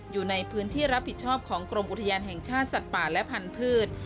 อยู่ในพื้นที่รับผิดชอบของกรมอุทยานแห่งชาติสัตว์ป่าและพันธุ์